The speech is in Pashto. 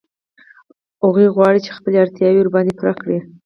هغوی غواړي چې خپلې اړتیاوې ورباندې پوره کړي